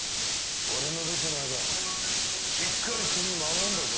俺の留守の間しっかり組守んだぞ。